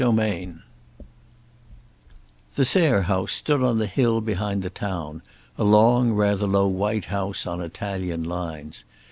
XVII The Sayre house stood on the hill behind the town, a long, rather low white house on Italian lines.